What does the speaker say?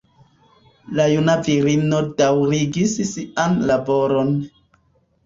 La juna virino daŭrigis sian laboron.